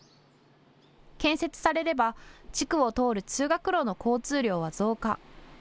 建設されれば地区を通る通学路の交通量は増加。